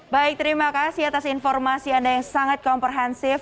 baik terima kasih atas informasi anda yang sangat komprehensif